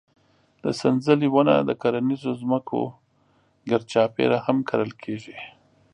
د سنځلې ونه د کرنیزو ځمکو ګرد چاپېره هم کرل کېږي.